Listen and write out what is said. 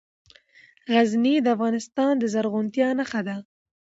غزني د افغانستان د زرغونتیا نښه ده.